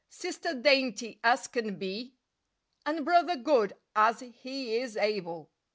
Sister dainty as can be, And Brother good as he is able.